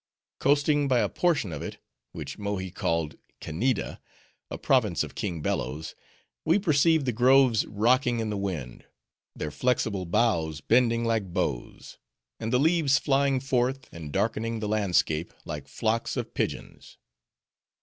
Coasting by a portion of it, which Mohi called Kanneeda, a province of King Bello's, we perceived the groves rocking in the wind; their flexible boughs bending like bows; and the leaves flying forth, and darkening the landscape, like flocks of pigeons.